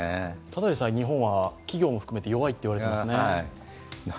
ただでさえ日本は企業も含めて弱いと言われてますね。